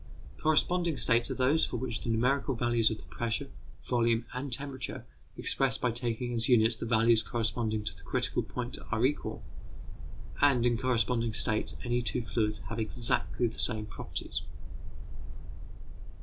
Corresponding states are those for which the numerical values of the pressure, volume, and temperature, expressed by taking as units the values corresponding to the critical point, are equal; and, in corresponding states any two fluids have exactly the same properties.